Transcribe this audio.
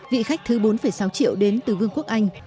vị khách thứ bốn sáu triệu đến từ vương quốc anh